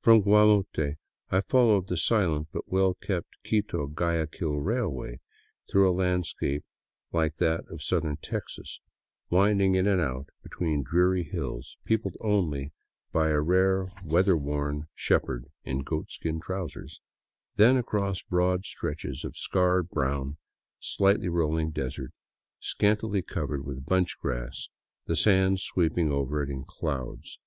From Guamote I followed the silent but well kept Quito Guayaquil Railway through a landscape like that of southern Texas, winding in and out between dreary hills peopled only by a rare weather worn 177 VAGABONDING DOWN THE ANDES shepherd in goatskin trousers; then across broad stretches of sear brown, slightly rolling desert scantily covered with bunch grass, the sand sweeping over it in clouds.